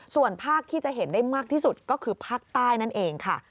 ส่วนภาคที่จะเห็นได้มากที่สุดก็คือภาคใต้นั่นเองค่ะ